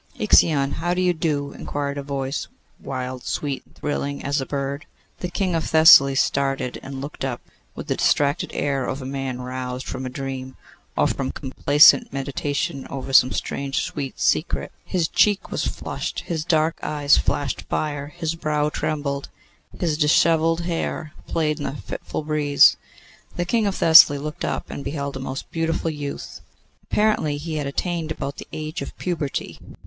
'Ixion, how do you do?' inquired a voice, wild, sweet, and thrilling as a bird. The King of Thessaly started and looked up with the distracted air of a man roused from a dream, or from complacent meditation over some strange, sweet secret. His cheek was flushed, his dark eyes flashed fire; his brow trembled, his dishevelled hair played in the fitful breeze. The King of Thessaly looked up, and beheld a most beautiful youth. Apparently, he had attained about the age of puberty.